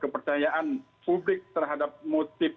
persepsi publik terhadap motif